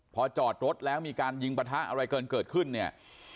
พอจอดรถแล้วมีการยิงปะทะอะไรเกินเกิดขึ้นเนี่ย